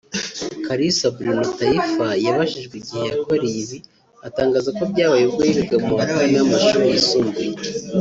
Kalisa Bruno Taifa yabajijwe igihe yakoreye ibi atangaza ko byabaye ubwo yigaga mu wa kane w’amashuri yisumbuye